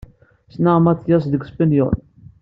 Ssneɣ Mattias deg Spenyul.